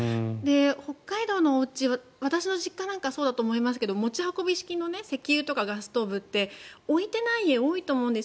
北海道のおうちは私の実家なんかはそうだと思いますが持ち運び式の石油とかガスストーブって置いてない家、多いと思うんです